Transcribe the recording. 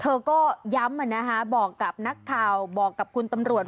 เธอก็ย้ำบอกกับนักข่าวบอกกับคุณตำรวจ